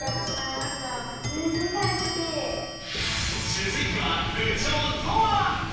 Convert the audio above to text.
つづいては部長トア！